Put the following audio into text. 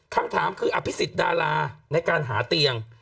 คำถามคืออภิษฎาราในการหาเตียง